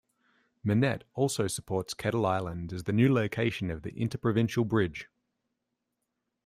Monette also supports Kettle Island as the new location of the Interprovincial Bridge.